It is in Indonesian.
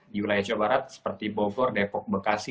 di wilayah jawa barat seperti bogor depok bekasi